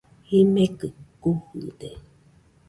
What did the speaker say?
Jimekɨ kujɨde.